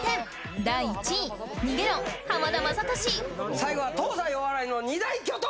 最後は東西お笑いの二大巨頭！